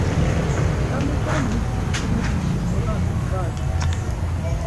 Ǩamiǩami hukyumet̆işi ǩonağis var t̆u.